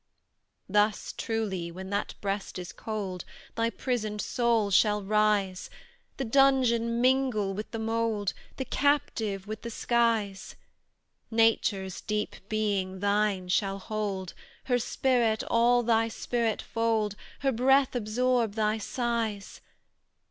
"Thus truly, when that breast is cold, Thy prisoned soul shall rise; The dungeon mingle with the mould The captive with the skies. Nature's deep being, thine shall hold, Her spirit all thy spirit fold, Her breath absorb thy sighs.